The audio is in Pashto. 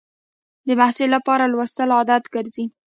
د محصل لپاره لوستل عادت ګرځي.